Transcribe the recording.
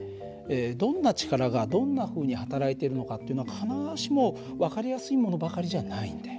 どんな力がどんなふうにはたらいているのかっていうのは必ずしも分かりやすいものばかりじゃないんだよ。